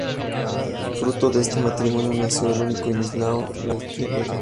Fruto de este matrimonio nació su único hijo Estanislao I Leszczynski.